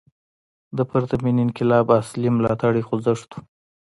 د پرتمین انقلاب اصلي ملاتړی خوځښت و.